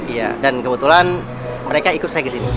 iya dan kebetulan mereka ikut saya kesini